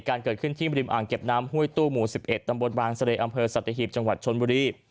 เกิดขึ้นที่ริมอ่างเก็บน้ำห้วยตู้หมู่๑๑ตำบลบางเสร่อำเภอสัตหีบจังหวัดชนบุรี